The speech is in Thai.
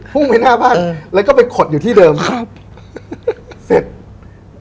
่งไปหน้าบ้านแล้วก็ไปขดอยู่ที่เดิมครับเสร็จ